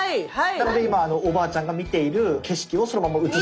なので今おばあちゃんが見ている景色をそのまま映してる。